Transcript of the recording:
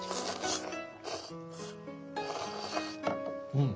うん！